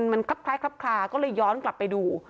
มันคลับคล้ายคลับคลาก็เลยย้อนกลับไปดู